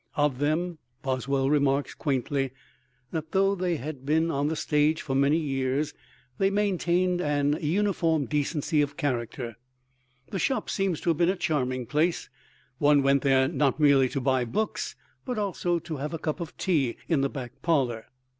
Of them Boswell remarks quaintly that though they had been on the stage for many years, they "maintained an uniform decency of character." The shop seems to have been a charming place: one went there not merely to buy books, but also to have a cup of tea in the back parlor.